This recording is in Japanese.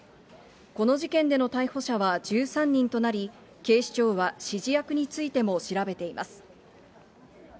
この事件での逮捕者は１３人となり、警視庁は指示役についても調べています。